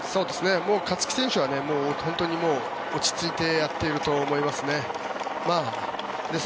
勝木選手は本当に落ち着いてやっていると思います。